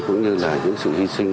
cũng như là những sự hy sinh